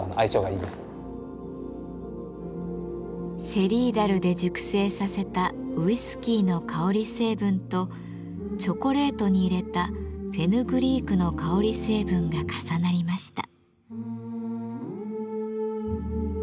シェリー樽で熟成させたウイスキーの香り成分とチョコレートに入れたフェヌグリークの香り成分が重なりました。